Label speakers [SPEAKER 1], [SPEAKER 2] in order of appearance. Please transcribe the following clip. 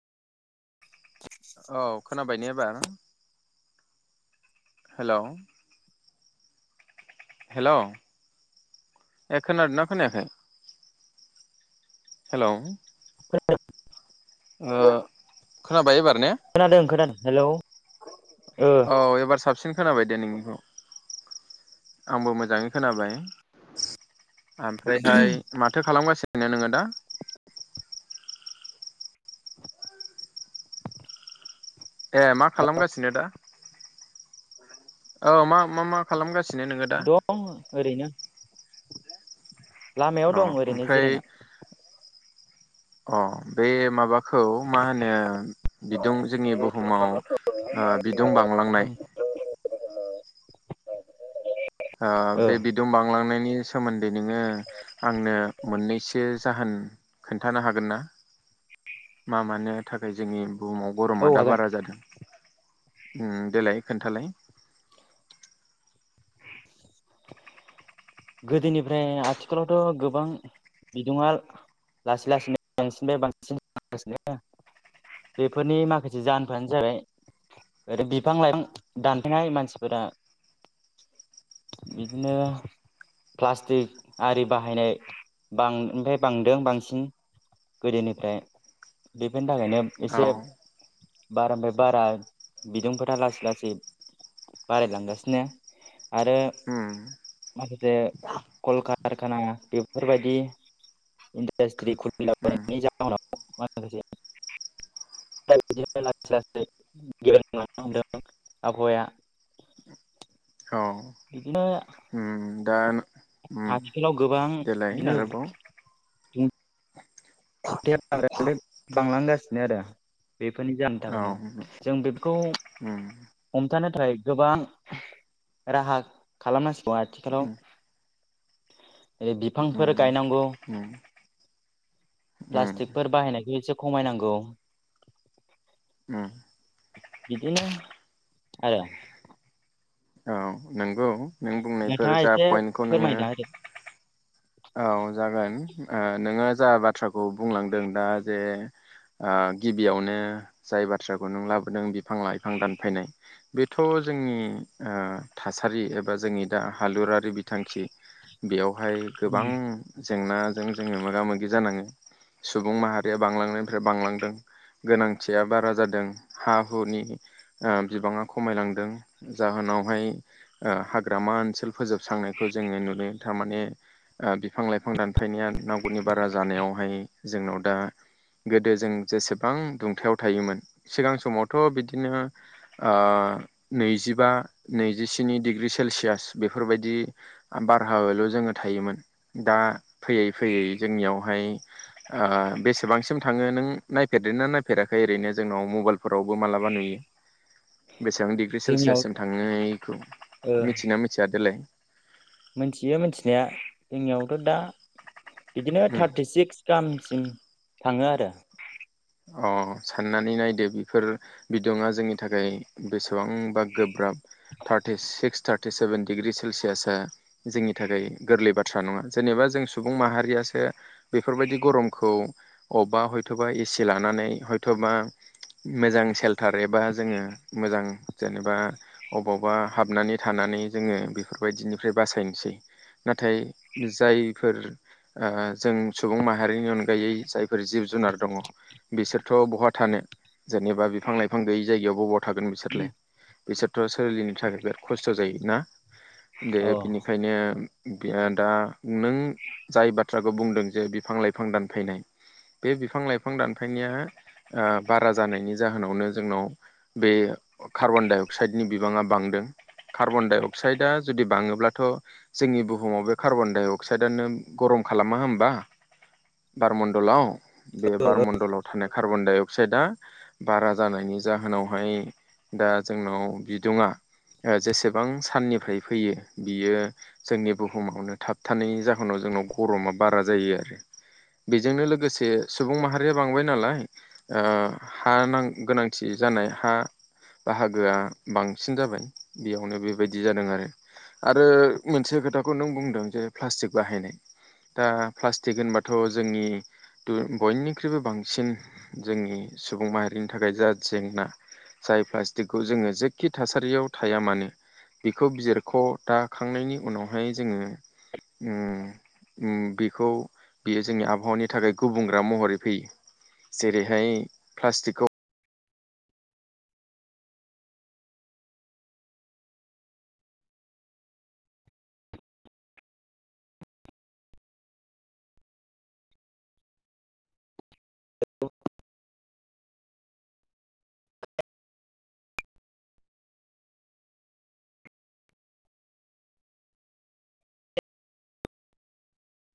[SPEAKER 1] औ खोनाबाय ने एबार हेल' हेल' ए खोदोना खोनायाखै? हेल'
[SPEAKER 2] [unintelligible]
[SPEAKER 1] ओ खोनाबाय एबार ने
[SPEAKER 2] खोनादों खोनादों हेल' ओ
[SPEAKER 1] औ एबार साबसिन खोनाबाय दे नोंनिखौ आंबो मोजाङै खोनाबाय ओमफ्रायहाय माथो खालामगासिनो नोङो दा ए मा खालामगासिनो दा? औ मा मा मा खालामगासिनो नोङो दा?
[SPEAKER 2] दं ओरैनो
[SPEAKER 1] अ
[SPEAKER 2] लामायाव दं ओरैनो
[SPEAKER 1] ओमफ्राय
[SPEAKER 2] जिरायना
[SPEAKER 1] अ बे माबाखौ मा होनो बिदुं जोंनि बुहुमाव बिदुं बांलांनाय ओ बे बि दुं बांलांनायनि सोमोन्दै नोङो आंनो मोननैसो जाहोन खोन्थानो हागोन ना मा मानो थाखाय जोंनि बुहुमाव गरमा
[SPEAKER 2] औ
[SPEAKER 1] दा
[SPEAKER 2] हागोन
[SPEAKER 1] बारा जादों ओ देलाय खोन्थालाय
[SPEAKER 2] गोदोनिफ्राय आथिखालावथ' गोबां बिदुङा लासै लासैनो बांसिननिफ्राय बांसिन जागासिनो बेफोरनि माखासे जाहोनफोरानो जाबाय आरो बिफां लाइफां दानफायनाय मानसिफोरा बिदिनो प्लास्टिक आरि बाहायनाय बांनायनिफ्राय बांदों बांसिन गोदोनिफ्राय बेफोरनि थाखायनो
[SPEAKER 1] औ
[SPEAKER 2] एसे बारानिफ्राय बारा बिदुंफोरा लासै लासै बारायलांगासिनो आरो
[SPEAKER 1] उम
[SPEAKER 2] माखासे कल कारखाना बेफोरबायदि इन्डास्ट्रि
[SPEAKER 1] उम
[SPEAKER 2] खुलिलाबायनायनि जाहोनाव माखासे दा बिदिनो लासै लासै गेब्रेंलांनो हमदों आबहावाया
[SPEAKER 1] औ
[SPEAKER 2] बिदिनो
[SPEAKER 1] उम दा उम
[SPEAKER 2] आथिखालाव गोबां
[SPEAKER 1] देलाय
[SPEAKER 2] बिदिनो
[SPEAKER 1] आरोबाव
[SPEAKER 2] [unintelligible] बांलांगासिनो आरो बेफोरनि जाहोननि
[SPEAKER 1] औ
[SPEAKER 2] थाखायनो
[SPEAKER 1] उम
[SPEAKER 2] जों बेफोखौ
[SPEAKER 1] उम
[SPEAKER 2] हमथानो थाखाय गोबां राहा खालामनांसिगौ आथिखालाव
[SPEAKER 1] उम
[SPEAKER 2] ओरै बिफांफोर गायनांगौ
[SPEAKER 1] [unintelligible] उम
[SPEAKER 2] प्लास्टिकफोर बाहायनायखौ एदसे खमायनांगौ
[SPEAKER 1] उम
[SPEAKER 2] बिदिनो आरो
[SPEAKER 1] औ नोंगौ
[SPEAKER 2] नोंथाङा एसे फोरमायना होदो
[SPEAKER 1] औ जागोन ओ नोङो जा बाथ्राखौ बुंलांदों दा जे गिबियावनो जाय बाथ्राखौ नों लाबोदों बिफां लाइफां दानफायनाय बेथ' जोंनि ओ थासारि एबा जोंनि दा हालुरारि बिथांखि बेयावहाय गोबां जेंनाजों जोङो मोगा मोगि जानाङो सुबुं माहारिया बांलांनायनिफ्राय बांलांदों गोनांथिया बारा जादों हा हुनि ओ बिबाङा खमायलांदों जाहोनावहाय ओ हाग्रामा ओनसोल फोजोबस्रांनायखौ जोङो नुनो थारमाने बिफां लाइफां बिफां दानफायनाया नांगौनि बारा जानायावहाय जोंनाव दा गोदो जों जेसेबां दुंथाइयाव थायोमोन सिगां समावथ' बिदिनो नैजिबा नैजिस्नि डिग्रि सेलसियास बेफोरबायदि बारहावायावल' जोङो थायोमोन दा फैयै फैयै जोंनियावहाय ओ बेसेबांसिम थाङो नों नायफेरदों नायफेराखै ओरैनो जोंनाव मबाइलफोरावबो मालाबा नुयो बेसेबां डिग्रि
[SPEAKER 2] जोंनियाव
[SPEAKER 1] सेलसियाससिम थांनायखौ
[SPEAKER 2] ओ
[SPEAKER 1] मिथियो ना मिथिया देलाय
[SPEAKER 2] मोनथियो मोनथिनाया जोंनियावथ' दा बिदिनो थार्टिसिक्स गामसिम थाङो आरो
[SPEAKER 1] अ साननानै नायदो बिफोर बिदुङा जोंनि थाखाय बेसेबांबा गोब्राब थार्टिसिक्स थार्टिसेभेन डिग्रि सेलसियासा जोंनि थाखाय गोरलै बाथ्रा नङा जेनेबा जों सुबुं माहारियासो बेफोरबायदि गरमखौ अबेबा हयथ'बा एसे लानानै हयथ'बा मोजां सेल्टार एबा जोङो मोजां जेनेबा अबावबा हाबनानै थानानै जोङो बेफोरबायदिनिफ्राय बासायनोसै। नाथाय जायफोर ओ जों सुबुं माहारिनि अनगायै जायफोर जिब जुनार दङ। बिसोरथ' बहा थानो जेनेबा बिफां लाइफां गैयि जायगायाव बबाव थागोन बिसोरलाय। बिसोरथ' सोलिनो थाखाय बिराद खस्थ' जायो ना दे
[SPEAKER 2] औ
[SPEAKER 1] बिनिखायनो इदिनो ओं दा नों जाय बाथ्राखौ बुंदों जे बिफां लाइफां दानफायनाय बे बिफां लाइफां दानफायनाया ओ बारा जानायनि जाहोनावनो जोंनाव बे कार्बन डाइ अक्साइडनि बिबाङा बांदों कार्बन डाइ अक्साइडआ जुदि बाङोब्लाथ' जोंनि बुहुमाव बे कार्बन डाइ अक्साइदानो गरम खालामा होमबा बारमण्डलाव बे बारमण्डलाव थानाय कार्बन डाइ अक्साइदआ बारा जानायनि जाहोनावहाय दा जोंनाव बिदुुङा ओ जेसेबां साननिफ्राय फैयो बियो जोंनि बुहुमावनो थाबथानायनि जाहोनाव जोंनाव गरमा बारा जायो आरो। बेजोंनो लोगोसे सुबुं माहा ख्रैया बांबाय नालाय ओ हा नां गोनांथि जानाय हा बाहागोआ बांसिन जाबाय बेयावनो बेबायदि जादों आरो। आरो मोनसे खोथाखौ नों बुंदों जे प्लास्टिक बाहायनाय। दा प्लास्टिक होनबाथ' जोंनि दु बयनि ख्रुइबो बांसिन जोंनि सुबुं माहारिनि थाखाय जा जेंना। जाय प्लास्टिकखौ जोङो जेखि थासारियाव थाया मानो बेखौ बिजिरखौ दाखांनायनि उनावहाय जोङो उम उम बेखौ बियो जोंनि आबहावानि थाखाय गुबुंग्रा महरै फैयो। जेरैहाय प्लास्टिक खौ